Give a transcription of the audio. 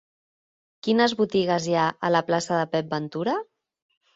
Quines botigues hi ha a la plaça de Pep Ventura?